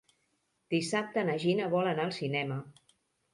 Dissabte na Gina vol anar al cinema.